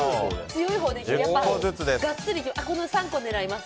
強いほうでガッツリ３個狙います。